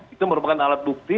itu merupakan alat bukti